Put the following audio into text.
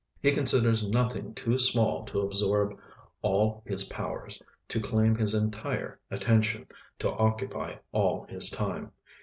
He considers nothing too small to absorb all his powers, to claim his entire attention, to occupy all his time.